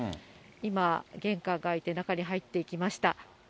今、玄関が開いて、中に入っていきました。